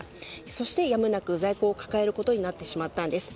そしてやむなく在庫を抱えることになってしまったんです。